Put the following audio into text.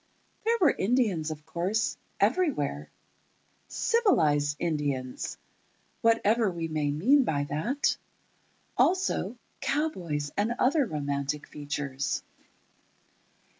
There were Indians, of course, everywhere—"civilized Indians," whatever we may mean by that; also, cowboys and other romantic features.